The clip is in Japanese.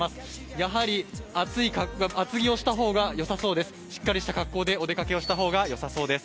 やはり厚着をした方がよさそうです。